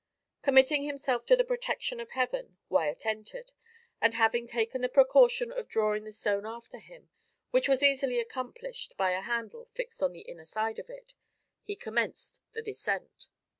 Committing himself to the protection of Heaven, Wyat entered, and having taken the precaution of drawing the stone after him, which was easily accomplished by a handle fixed to the inner side of it, he commenced the descent.